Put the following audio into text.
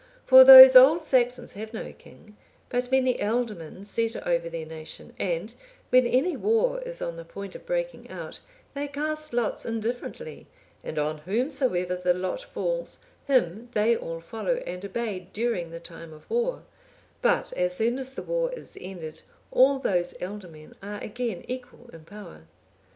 For those Old Saxons have no king, but many ealdormen set over their nation; and when any war is on the point of breaking out, they cast lots indifferently, and on whomsoever the lot falls, him they all follow and obey during the time of war; but as soon as the war is ended, all those ealdormen are again equal in power.